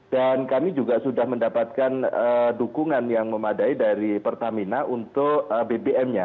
dan kami juga sudah mendapatkan dukungan yang memadai dari pertamina untuk bbm nya